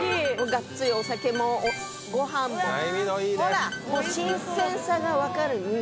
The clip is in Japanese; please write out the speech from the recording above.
がっつりお酒もご飯もほらもう新鮮さが分かるミノ